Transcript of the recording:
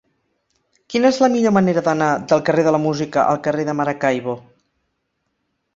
Quina és la millor manera d'anar del carrer de la Música al carrer de Maracaibo?